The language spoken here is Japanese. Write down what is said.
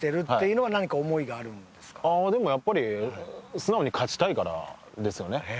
ああやってでもやっぱり素直に勝ちたいからですよね。